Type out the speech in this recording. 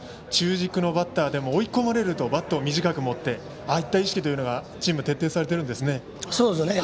中軸のバッターでも追い込まれるとバットを短く持ってああいった意識というのはチームで徹底されているんですね。